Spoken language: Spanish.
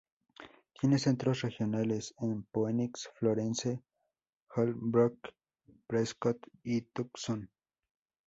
Tiene centros regionales en Phoenix, Florence, Holbrook, Prescott, y Tucson.